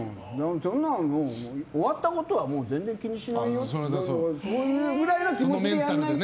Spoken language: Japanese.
そんなの終わったことは全然気にしないよってそういうくらいの気持ちでやらないと。